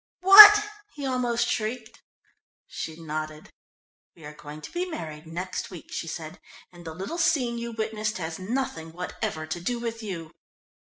"What?" he almost shrieked. She nodded. "We are going to be married next week," she said, "and the little scene you witnessed has nothing whatever to do with you."